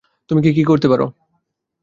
তুমি কী কী করতে পারো?